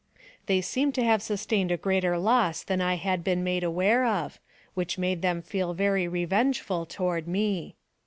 They seemed to have sustained a greater loss than I had been made aware of, which made them feel very revengeful toward me.